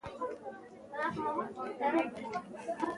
د لوبي په منځ کښي پېچ يي.